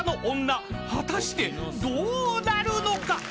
［果たしてどうなるのか？］